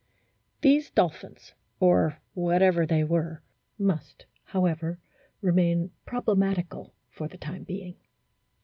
These dolphins, or whatever they were, must, however, remain problematical for the time being.